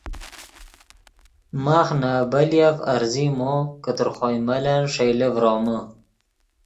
ماخ نے ابیلیف عرضی مو کہ تر خوئے ملن ݰئیلے فرومے